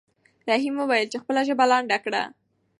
رحیم وویل چې خپله ژبه لنډه کړه.